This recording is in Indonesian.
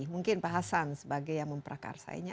mungkin pak hasan sebagai yang memperakarsainya